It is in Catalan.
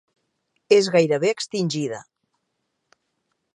És gairebé extingida.